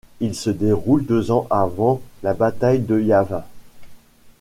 Il se déroule deux ans avant la bataille de Yavin.